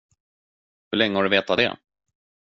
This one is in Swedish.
Hur länge har du vetat det?